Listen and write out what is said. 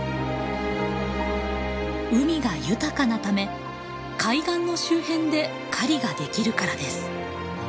海が豊かなため海岸の周辺で狩りができるからです。